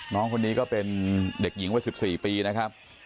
น้องคนนี้ก็เป็นเด็กหญิงวัย๑๔ปีนะครับ